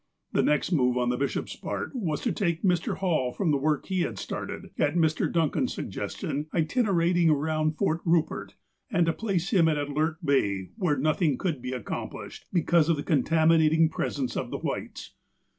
The next move on the bishop's part was to take Mr. Hall from the work he had started, at Mr. Duncan's sug gestion, itinerating around Fort Eupert, and to place him at Alert Bay, where nothing could be accom plished, because of the contaminating presence of the Whites.